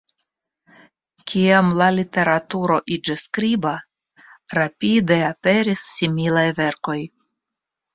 Kiam la literaturo iĝis skriba, rapide aperis similaj verkoj.